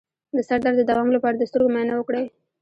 د سر درد د دوام لپاره د سترګو معاینه وکړئ